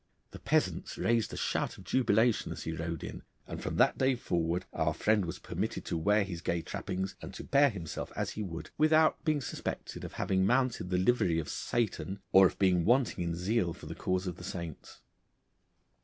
The peasants raised a shout of jubilation as he rode in, and from that day forward our friend was permitted to wear his gay trappings and to bear himself as he would, without being suspected of having mounted the livery of Satan or of being wanting in zeal for the cause of the saints.